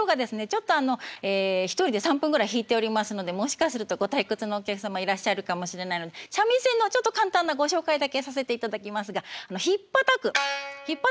ちょっとあのええ１人で３分ぐらい弾いておりますのでもしかするとご退屈のお客様いらっしゃるかもしれないので三味線のちょっと簡単なご紹介だけさせていただきますが「ひっぱたく」ひっぱたくという奏法。